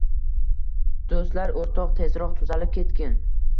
Do'stlar - O'rtoq, tezroq tuzalib ketgin!